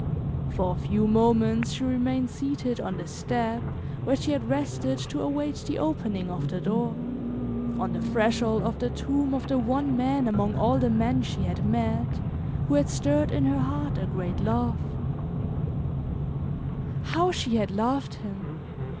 For a few moments she remained seated on the step where she had rested to await the opening of the door, on the threshold of the tomb of the one man among all the men she had met who had stirred in her heart a great love. How she had loved him!